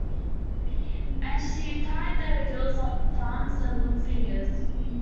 And she tied the girl's thumbs and little fingers.